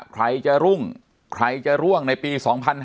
ใครจะรุ่งใครจะร่วงในปี๒๕๕๙